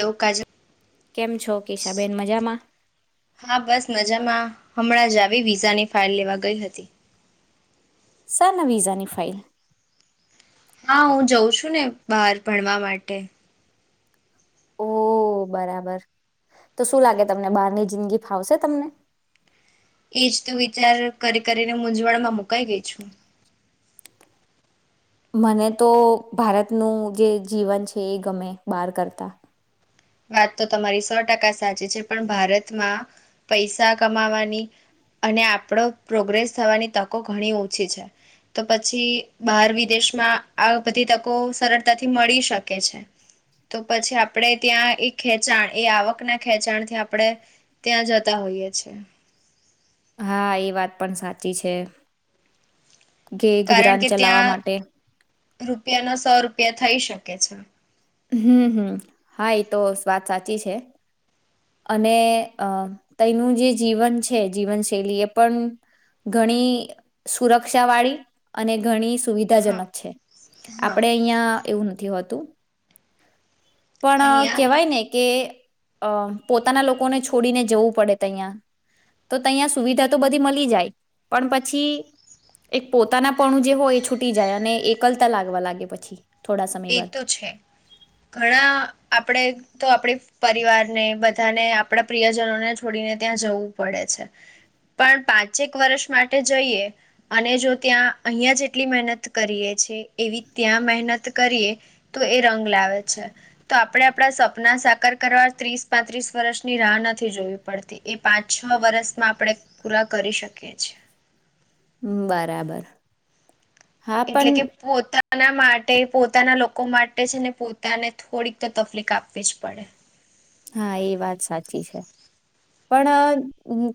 એવું કાજ કેમ છો કેશાબેન મજામાં હા બસ મજામાં હમણાં જ આવી વિઝાની ફાઇલ લેવા ગઈ હતી શાના વિઝાની ફાઇલ હા હું જઉં છું ને બહાર ભણવા માટે ઓ બરાબર તો શું લાગે તમને બહારની જિંદગી ફાવશે તમને એજ તો વિચાર કરી કરીને મૂઝવણમાં મુકાઈ ગઈ છું મને તો ભારતનું જે જીવન છે એ ગમે બહાર કરતા વાત તો તમારી સો ટકા સાચી છે પણ ભારતમાં પૈસા કમાવાની અને આપણો પ્રોગ્રેસ થવાની તકો ઘણી ઓછી છે તો પછી બહાર વિદેશમાં આ બધી તકો સરળતાથી મળી શકે છે તો પછી આપણે ત્યાં એ ખેચાણ એ આવકના ખેંચાણ થી આપણેે ત્યાં જતા હોઈએ છેએ હા એ વાત પણ સાચી છે કે કારણ ગુજરાન કે ચલાવવા ત્યાં માટે રૂપિયા નો સો રૂપિયા થઈ શકે કે છે હમ હમ હા એ તો વાત સાચી છે અને અ તયનું જે જીવન છે જીવનશૈલી એ પણ ઘણી સુરક્ષા વાળી અને ઘણી હા. સુવિધાજનક છે હા આપડે અહિયાં એવું નથી તો હતું પણ અહિયાં કેહેવાય ને કે અમ પોતાના લોકોને છોડીને જવું પડે તઇયા તો તહીયા સુવિધા તો બધી મળી જાય પણ પછી એક પોતાના પણ જે હોય એ છૂટી જાય અને એકલતા લાગવા લાગે પછી થોડા સમય એ બાદ તો છે ઘણા આપણે તો આપડી પરિવારને બધાને આપણા પ્રિયજનોને છોડીને ત્યાં જવું પડે છે પણ પાંચેક વર્ષ માટે જઈએ અને જો ત્યાં અહિયાં જેટલી મહેનત કરીએ છેએ એવી ત્યાં મહેનત કરીએ તો એ રંગ લાવે છે તો આપણે આપણા સપના સાકાર કરવા ત્રીસ પાંત્રીસ વર્ષની રાહ નથી જોવી પડતી એ પાંચ છ વર્ષમાં આપણે પૂરા કરી શકીએ છએ બરાબર હા એટલે પણ કે પોતા તાના માટે પોતાના લોકો માટે છે ને પોતાને થોડીક તો તકલીફ આપવી જ પડે હા એ વાત સાચી છે પણ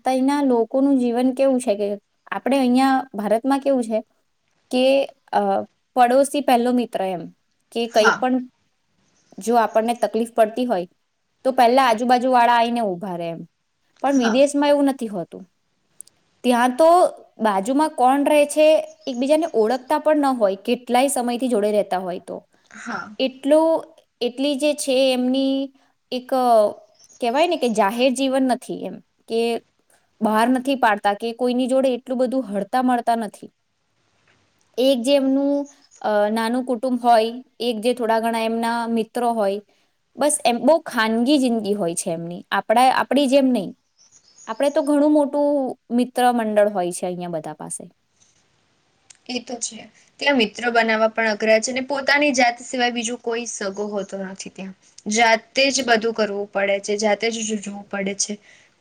તયના લોકોનું જીવન કેવું છે કે આપણે અહિયાં ભારતમાં કેવું છે કે અ પડોશ પહેલો મિત્ર એમ કે કઈ હા પણ જો આપણને તકલીફ પડતી હોય તો પેલા આજુબાજુ વાળા આવીને ઊભા રહેે એમ પણ હા. વિદેશમાં એવું નથી હોતું ત્યાં તો બાજુમાં કોણ રહે છે એકબીજાને ઓળખતા પણ ન હોય કેટલાય સમયથી જોડે રહેતા હોય તો હા એટલું એટલી જે છે એમની એક કહેવાય ને કે જાહેર જીવન નથી એ બહાર નથી પાડતા કે કોઈની જોડે એટલું બધું હળતા મળતા નથી એક જે એમનું નાનું કુટુંબ હોય એક જે થોડા ઘણા એમના મિત્રો હોય બસ એમ બહ ખાનગી જિંદગી હોય છે એમની આપણા આપડી જેમ નહી આપડે તો ઘણું મોટું મિત્ર મંડળ હોય છે અહિયાં બધા પાસે એ તો છે ત્યાં મિત્ર બનાવવા પણ અઘરા છે ને પોતાની જાત સિવાય બીજું કોઈ સગો હોતો નથી ત્યાં જાતે જ બધું કરવું પડે છે જાતે જ રૂજવું પડે છે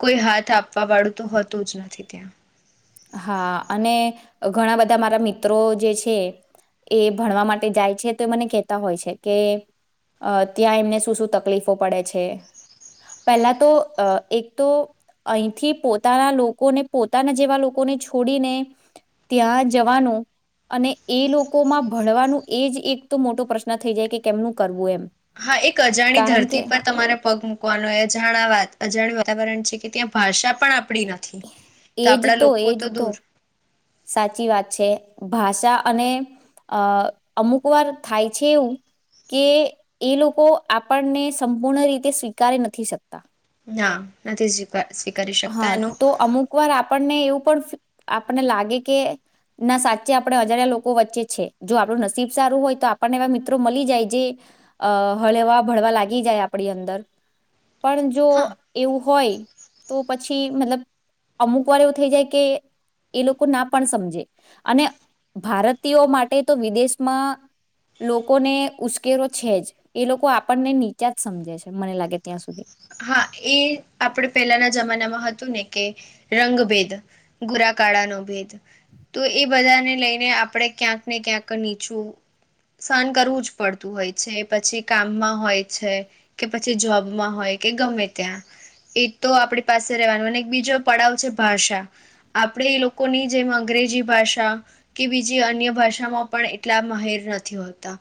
કોઈ હાથ આપવા વાળું તો હોતું જ નથી ત્યાં હા અને ઘણા બધા મારા મિત્રો જે છે એ ભણવા માટે જાય છે તો એ મને કહેતા હોય છે કે ત્યાં એમને શું શું તકલીફો પડે છે પહેલા તો એક તો અહીંથી પોતાના લોકોને પોતાના જેવા લોકો [inaudible] લોકોને છોડીને ત્યાં જવાનું અને એ લોકોમાં ભણવાનું એ જ એક તો મોટો પ્રશ્ન થઈ જાય કે કેમનું કરવું એમ હા એક અજાણી કારણ કે ધરતી પર તમારે પગ મુકવાનો હો અજાણ વાત અજાણી વાત વાતાવરણ છે કે ત્યાં ભાષા પણ આપ આપડી નથી તો આપડા લોકો તો દૂર સાચી વાત છે ભાષા અને અ અમુક વાર થાય છે એવું કે એ લોકો આપણને સંપૂર્ણ રીતે સ્વીકારી નથી શકતા હા નથી થયું હા તો અમુક વાર આપણને એવું પણ આપને લાગે કે ના સાચે આપણે અજાણ્યા લોકો વચ્ચે છે જો આપણું નસીબ સારું હોય તો આપણને એવા મિત્રો મળી જાય જે અ હળવા ભળવા લાગી જાય આપડી અંદર પણ જો હા એવું હોય તો પછી મતલબ અમુક વાર એવું થઈ જાય કે એ લોકો ના પણ સમજે અને ભારતીયો માટે તો વિદેશમાં લોકોને ઉશ્કેરો છે જ એ લોકો આપણને નીચા જ સમજે છે મને લાગે ત્યાં સુધી હા એ આપણે પહેલાના જમાનામાં હતું ને કે રંગ ભેદ ભુરાકાળા નો ભેદ તો એ બધાને લઈને આપણે ક્યાંક ને ક્યાંક નીચું સહન કરવું જ પડતું હોય છે પછી કામમાં હોય છે કે પછી જોબમાં હોય કે ગમે ત્યાં એક તો આપડી પાસે રહેવાનું અને એક બીજો પડાવ છે ભાષા આપડે એ લોકો લોકોની જેમ અંગ્રેજી ભાષા કે બીજી અન્ય ભાષામાં પણ એટલા માહેર નથી હોતા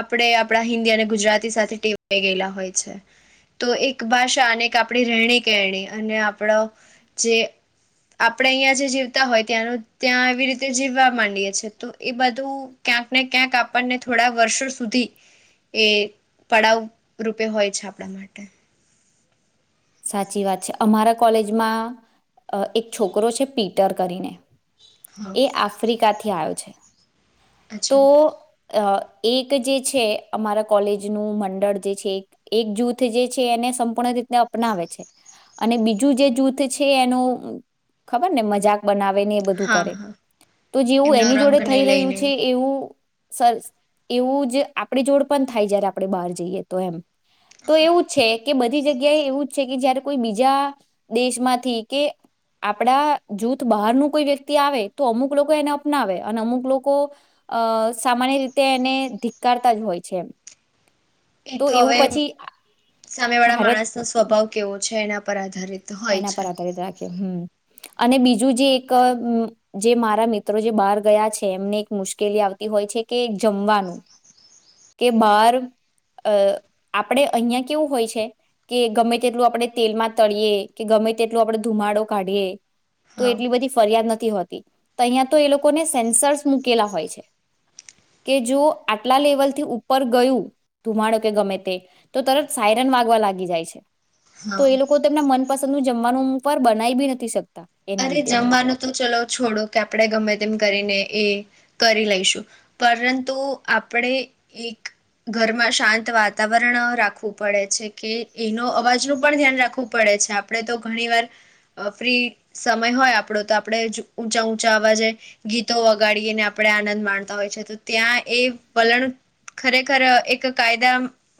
આપણે આપણા હિન્દી અને ગુજરાતી સાથે ટેવાય ગયેલા હોય છે તો એક ભાષા અને આપણી રહેણી કેણી અને આપડો જે આપણે અહિયાયા જે જીવતા હોય ત્યાંનું ત્યાં આવી રીતે જીવવા માંડીએ છેએ તો એ બધું ક્યાંક ને ક્યાંક આપણને થોડા વર્ષો સુધી એ પડાવ રૂપે હોય છે આપણા માટે સાચી વાત છે અમારા કોલેજમાં એક છોકરો છે પીટર કરીને હા એ આફ્રિકાથી આયો છે તો અચ્છા અ એક જે છે અમારા કોલેજનું મંડળ જે છે એક જૂથ જે છે એને સંપૂર્ણ રીતને અપનાવે છે અને બીજું જે જૂથ છે એનું ખબર ને મજાક બનાવે આવે ને એ બધું હા કરે હા તો જેવું એમનો એની જોડે રંગને થઈ રહ્યું લઈને છે એવું સર એવું જ આપણી જોડ પણ થાય જ્યારે આપણેે બહાર જઈએ તો એમ તો એવું છે કે બધી જગ્યાએ એવું જ છે કે જયારે કોઈ બીજા દેશમાંથી કે આપડા જૂથ બહાર નું કોઈ વ્યક્તિ આવે તો અમુક લોકો એને અપનાવે અને અમુક લોકો અ સામાન્ય રીતે એને ધિક્કારતા જ હોય છે એ એ તો હવે સામેવાળા ભારત માણસનો સ્વભાવ કેવો છે એના પર આધારિત હોય એના છે પર આધારિત રાખે હમ અને બીજું જે એક જે મારા મિત્રો જે બહાર ગયા છે એમને એક મુશ્કેલી આવતી હોય છે કે જમવાનું કે બહાર અ આપણે અહિયાં કેવું હોય છે કે ગમે તેટલું આપણે તેલમાં તળીયએ કે ગમે તેટલું આપડે ધુમાડો કાઢીએે તો હા એટલી બધી ફરિયાદ નથી તો અહીયાંયા તો એ લોકોને સેન્સર્સ મૂકેલા હોય છે કે જો આટલા લેવલથી ઉપર ગયું ધુમાડો કે ગમે તે તો તરત સાયરન વાગવા લાગી જાય છે. તો હા એ લોકો તેમના મન પસંદું જમવાનું હું પણ બનાવી બી નથી શક અરે જમવાનું તો ચલો છોડો કે આપડે ગમે તેમ કરીને એ કરી લઈશું પરંતુ આપણે એક ઘરમાં શાંત વાતાવરણ રાખવું પડે છે કે એનો અવાજનું પણ ધ્યાન રાખવું પડે છે. આપણે તો ઘણી વાર ફ્રી સમય હોય આપણો તો આપણે ઊંચા ઊંચા અવાજે ગીતો વગાડીને આપણે આનંદ માણતા હોય છે તો ત્યાં એ વલણ ખરેખર એક કાયદા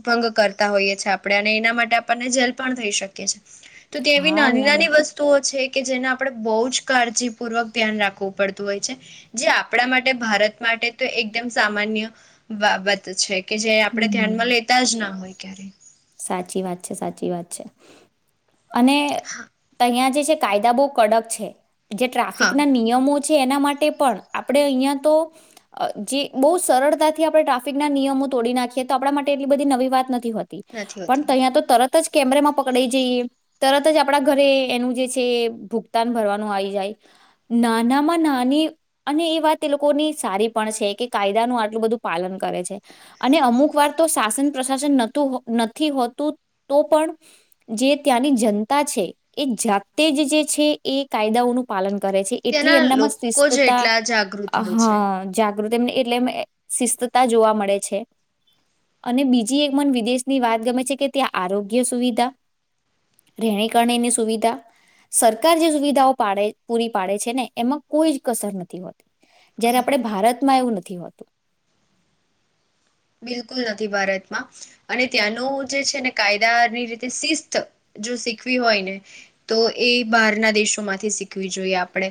ભંગ કરતા હોઈએ છેએ આપણે અને એના માટે આપણને જેલ પણ થઈ શકીએ છીએ. તો તેવી હા નાની ના નાની વસ્તુઓ છે. કે જેને આપડે બહુ જ કાળજીપૂર્વક ધ્યાન રાખવું પડતું હોય છે. જે આપણા માટે ભારત માટે તો એકદમ સામાન્ય બાબત છે. કે જે આપડણે હમ ધ્યાનમાં લેતા જ ના હોય. ક્યારે સાચી વાત છે. સાચી વાત છે. અને હા તેઇયા જે છે કાયદા બહુ કડક છે. જે ટ્રાફિક હા ના નિયમો એના માટે પણ આપણે અહીયાં તો જે બહુ સરળતાથી આપણે ટ્રાફિકના નિયમો તોડી નાખીએ તો આપણા માટે એટલી બધી નવી વાત નથી હોતી. નથી પણ હોતી તહીંયા તો તરત તરત જ કેમેરામાં પકડાઈ જઈએ તરત જ આપણા ઘરે એનું જે છે ભુગતાન ભરવાનું આવી જાય. નાનામાં નાની અને એ વાત એ લોકોની સારી પણ છે કે કાયદાનું આટલું બધું પાલન કરે છે. અને અમુક વાર તો શાસન પ્રશાસન નહતું નથી હોતું તો પણ જે ત્યાંની જનતા છે એ જાતે જ જે છે એ કાયદાઓનું પાલન કરે છે એટલે ત્યાંના એમના લોકો જ શિષ્ટતા એટલા જાગૃત હોય છે અહા જા એટલે શિસ્તતા જોવા મળે છે. અને બીજી એક મન વિદેશ ની વાત ગમે છે કે ત્યાં આરોગ્ય સુવિધા, રહેેણી કરણીની સુવિધા, સરકાર જે સુવિધાઓ પાડે, પૂરી પાડે છે ને એમાં કોઈ જ કસર નથી હોતી. જયારે આપણે ભારતમાં એવું નથી. નથી હોતું બિલકુલ નથી ભારતમાં અને ત્યાંનું જે છે ને કાયદાની રીતે શિસ્ત જો શીખવી હોય ને તો એ બહારના દેશોમાંથી શીખવી જોઈએ આપણે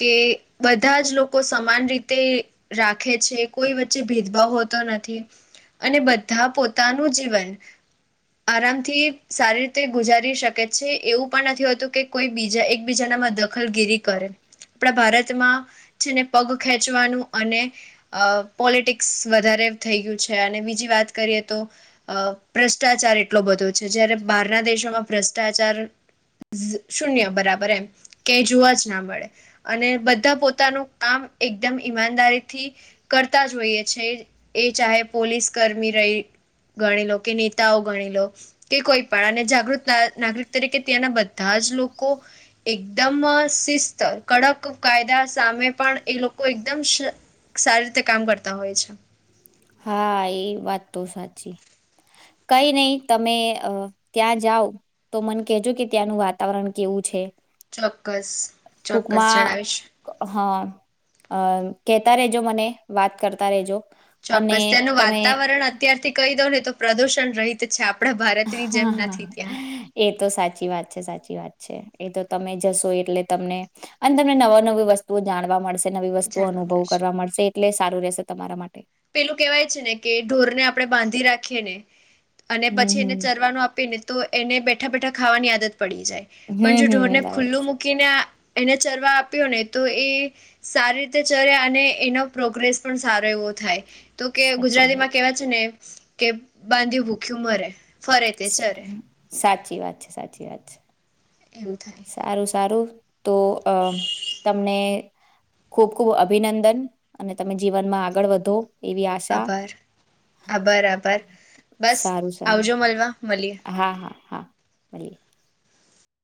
કે બધા જ લોકો સમાન રીતે રાખે છે કોઈ વચ્ચે ભેદભાવ હોતો નથી. અને બધા પોતાનું જીવન આરામથી સારી રીતે ગુજારી શકે છે. એવું પણ નથી હોતું કે કોઈ બીજા એકબીજાનામાં દખલગીરી કરે. આપણા ભારતમાં છેને પગ ખેંચવાનું અને પોલિટિકસ વધારે થઈ ગયું છે અને બીજી વાત કરીએ તો ભ્રષ્ટાચાર એટલો બધો છે. જયારે બહારના દેશોમાં ભ્રષ્ટાચાર શૂન્ય બરાબર એમ કય જોવા જ ના મળે. અને બધા પોતાનું કામ એકદમ ઈમાનદારીથી કરતા હોઈએ છે. એ ચાહે પોલીસ કર્મી રહી ગણી લો, કે નેતાઓ ગણી લો, કે કોઈ પણ અને જાગૃત નાગરિક તરીકે ત્યાંના બધા જ લોકો એકદમ શિસ્ત કડક કાયદા સામે પણ એ લોકો એકદમ સારી રીતે કામ કરતા હોય છે. હા એ વાત તો સાચી કઈ નહી તમે ત્યાં જાઓ તો મને કહેજો કે ત્યાંનું વાતાવરણ કેવું છે. ચોક્કસ ચોક્કસ ટૂંકમાં જણાવીશ હા અ કેતા રેજો મને. વાત કરતા રેજો. અને ચોક્કસ તેનું તમે વાતાવરણ અત્યારથી કહી દોને તો પ્રદુષણ રહિત છે આપ હા હા એ તો સાચી વાત છે. સાચી વાત છે એ તો તમે જશો એટલે તમને અને તમને નવા નવી વસ્તુઓ જાણવા મળશે. નવી વસ્તુ અનુભવ કરવા મળશે. એટલે સારું રહેશે તમારા માટે. પેલું કેહેવાય છે ને કે ઢોરને આપણે બાંધી રાખીએ ને અને હમ પછી એને હમ ચરવાનું આપીને તો એને બેઠા બેઠા ખાવાની આદત પડી જાય પણ જો હમ ઢોરને હમ બરાબર ખુલ્લું છે મૂકીને એને ચરવા આપ્યો ને તો એ સારી રીતે ચર્યા અને એનો પ્રોગ્રેસ પણ સારો એવો થાય. તો કે સાચી ગુજરાતીમાં વાત કેવા છે ને કે બાંધ્યું ભૂખ્યું મરે ફરે તે સાચ ચરે સાચી વાત છે સાચી વાત છે. એવું થાય સારું સારું. તો અ તમને ખુબ ખુબ અભિનંદન અને તમે જીવનમાં આગળ વધો એવી આશા આભાર આબરા આબર બસ સારું સારું આવજો મળવા મળીએ. હા હા હા ભલે.